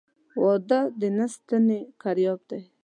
واده د نه ستني کرياب دى.